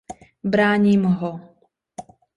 Bráním ho.